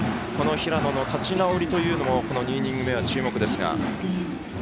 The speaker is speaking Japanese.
平野の立ち直りというのも２イニング目、注目ですが。